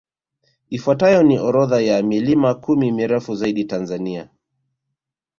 Ifuatayo ni orodha ya milima kumi mirefu zaidi Tanzania